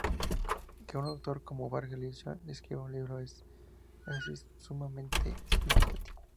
Que un autor como Vargas Llosa escriba un libro así es sumamente significativo.